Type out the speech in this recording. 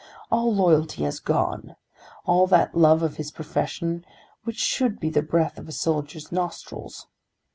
All loyalty has gone; all that love of his profession which should be the breath of a soldier's nostrils.